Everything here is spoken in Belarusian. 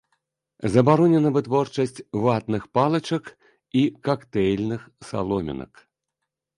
Забаронена вытворчасць ватных палачак і кактэйльных саломінак.